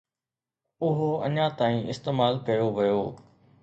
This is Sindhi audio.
اهو اڃا تائين استعمال ڪيو ويو